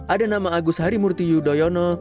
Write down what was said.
ada nama agus harimurti yudhoyono